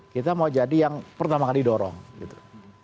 kita mau jadi yang pertama kali didorong gitu